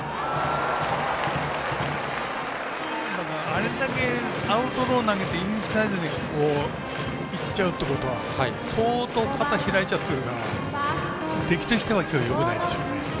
あれだけアウトロー投げてインサイドにいっちゃうってことは相当、肩開いちゃってるから出来としてはきょう、よくないですね。